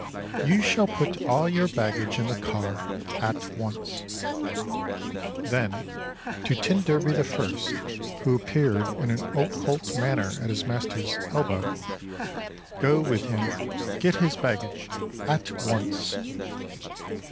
"You shall put all your baggage in the car, at once"—then, to tin derby the first, who appeared in an occult manner at his master's elbow—"Go with him, get his baggage, at once."